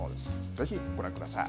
ぜひご覧ください。